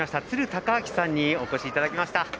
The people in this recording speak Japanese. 鶴高明さんにお越しいただきました。